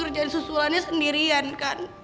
pasti ngerjain susulannya sendirian kan